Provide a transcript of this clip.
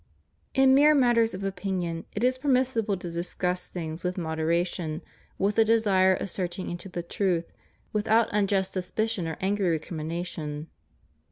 In mere matters of opinion it is permissible to discuss things with modera tion, with a desire of searching into the truth, without unjust suspicion or angry recriminations.